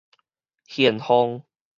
玄鳳